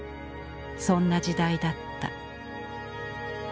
そんな時代だった。